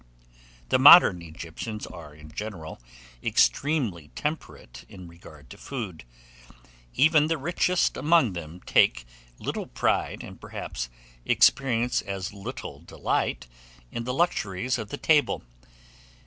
The modern Egyptians are, in general, extremely temperate in regard to food. Even the richest among them take little pride, and, perhaps, experience as little delight, in the luxuries of the table.